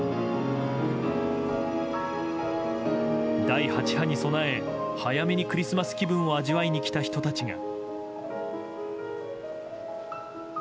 第８波に備え早めにクリスマス気分を味わいに来た人たちが。